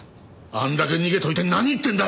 あんだけ逃げておいて何言ってんだ！？